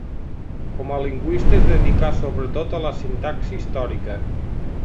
Com a lingüista es dedicà sobretot a la sintaxi històrica.